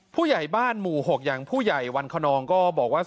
ผู้ใหญ่บ้านหมู่๖อย่างผู้ใหญ่วันคนนองก็บอกว่า